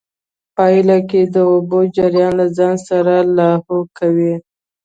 پايله کې د اوبو جريان له ځان سره لاهو کوي.